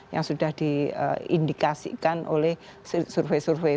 yang sudah diindikasikan oleh survei survei